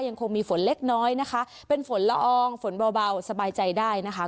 ยังคงมีฝนเล็กน้อยนะคะเป็นฝนละอองฝนเบาสบายใจได้นะคะ